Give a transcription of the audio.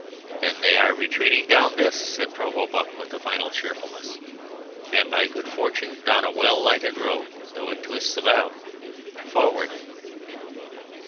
"Then they are retreating down this," said Provost Buck, with a final cheerfulness, "and by good fortune down a well lighted road, though it twists about. Forward!"